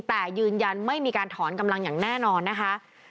แต่ยืนยันไม่มีการถอนกำลังอย่างแน่นอนนะคะ